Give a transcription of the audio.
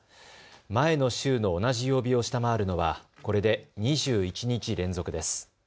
前の週の同じ曜日を下回るのはこれで２１日連続です。